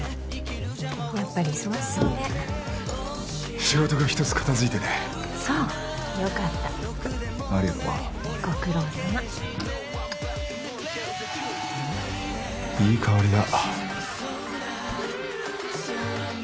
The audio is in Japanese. やっぱり忙しそうね仕事が一つ片付いてねそうよかったありがとうご苦労さまいい香りだ